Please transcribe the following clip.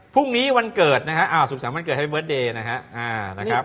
พรุ่งนี้วันเกิดนะครับอ้าวสุขภาพวันเกิดให้เบิร์ทเดย์นะครับ